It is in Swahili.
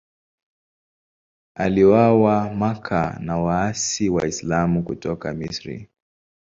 Aliuawa Makka na waasi Waislamu kutoka Misri.